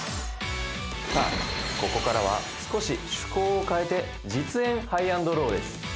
さあここからは少し趣向を変えて実演ハイ＆ローです。